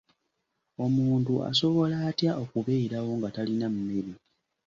Omuntu asobola atya okubeerawo nga talina mmere?